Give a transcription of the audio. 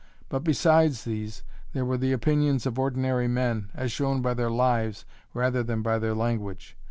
But, besides these, there were the opinions of ordinary men, as shown by their lives rather than by their language.